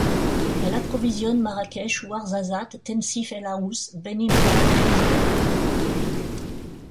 Elle approvisionne Marrakech, Ouarzazate, Tensift El Haouz, Beni-Mellal et Azilal.